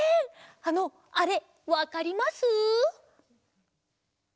あのあれわかります？